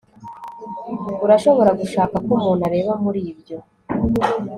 urashobora gushaka ko umuntu areba muri ibyo